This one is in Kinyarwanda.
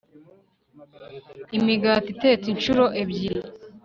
Imigati Itetse Inshuro Ebyiri